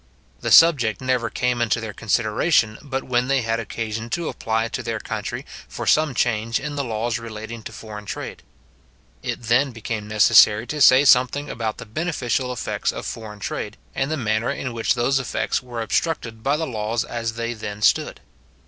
The subject never came into their consideration, but when they had occasion to apply to their country for some change in the laws relating to foreign trade. It then became necessary to say something about the beneficial effects of foreign trade, and the manner in which those effects were obstructed by the laws as they then stood.